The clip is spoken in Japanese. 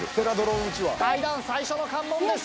階段最初の関門です。